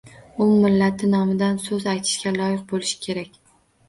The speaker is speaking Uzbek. U millati nomidan so‘z aytishga loyiq bo‘lishi kerak.